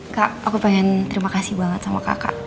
kak aku pengen terima kasih banget sama kakak